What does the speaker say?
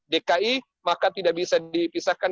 dki maka tidak bisa dipisahkan